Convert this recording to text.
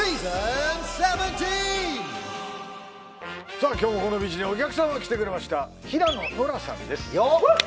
さあ今日もこのビーチにお客様来てくれました平野ノラさんですよっ！